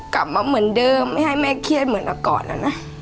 กลับมาเหมือนเดิมไม่ให้แม่เครียดเหมือนก่อนนะ